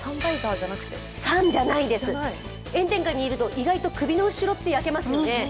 炎天下にいると、意外と首の後ろって焼けますよね。